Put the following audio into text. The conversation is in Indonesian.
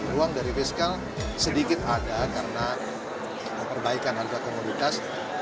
ruang dari fiskal sedikit ada karena perbaikan harga komoditas